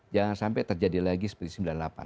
jangan sampai terjadi lagi seperti sembilan puluh delapan